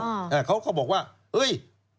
เขาบอกว่าเฮ้ย